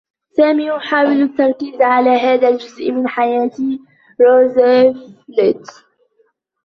سامي يحاول التّركيز على هذا الجزء من حياة روزفلت.